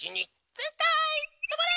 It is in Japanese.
ぜんたいとまれ！